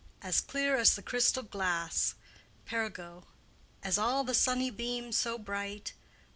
As clear as the crystal glasse. P. All as the sunny beame so bright, W.